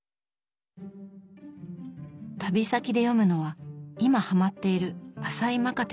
旅先で読むのは今ハマっている朝井まかて